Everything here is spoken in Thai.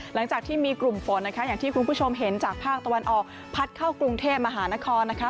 หลังจากที่มีกลุ่มฝนนะคะอย่างที่คุณผู้ชมเห็นจากภาคตะวันออกพัดเข้ากรุงเทพมหานครนะคะ